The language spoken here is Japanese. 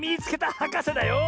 はかせだよ。